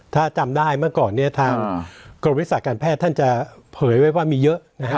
ถ้าจำได้เมื่อก่อนเนี่ยทางกรมวิทยาศาสตร์การแพทย์ท่านจะเผยไว้ว่ามีเยอะนะฮะ